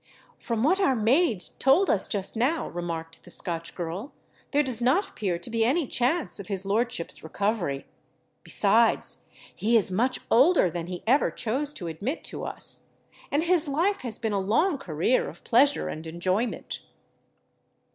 "From what our maids told us just now," remarked the Scotch girl, "there does not appear to be any chance of his lordship's recovery. Besides, he is much older than he ever chose to admit to us; and his life has been a long career of pleasure and enjoyment."